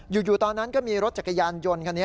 อยู่ตอนนั้นก็มีรถจักรยานยนต์คันนี้